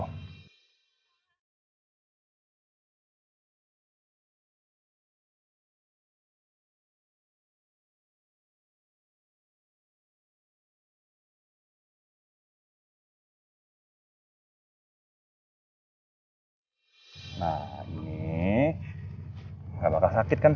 tidak ada yang bisa dihukum